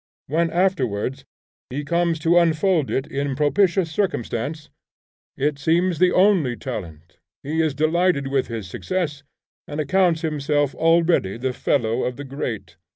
When afterwards he comes to unfold it in propitious circumstance, it seems the only talent; he is delighted with his success, and accounts himself already the fellow of the great.